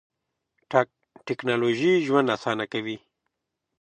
ټیکنالوژی ژوند اسانوی.